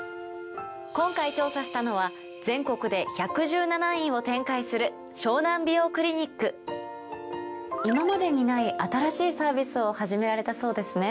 今回調査したのは今までにない新しいサービスを始められたそうですね。